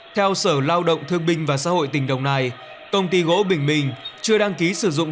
theo sở lao động thương binh và xã hội tình đồng nài công ty gỗ bình minh chưa đăng ký sử dụng